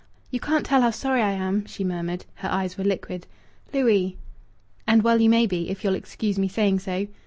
"You can't tell how sorry I am!" she murmured. Her eyes were liquid. "Louis!" "And well you may be, if you'll excuse me saying so!"